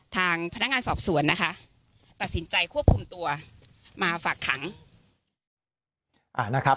ทางพนักงานสอบสวนนะคะตัดสินใจควบคุมตัวมาฝากขัง